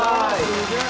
すげえ！